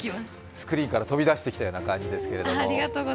スクリーンから飛び出してきたような感じですけども。